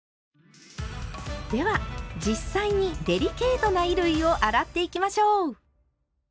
では実際にデリケートな衣類を洗っていきましょう。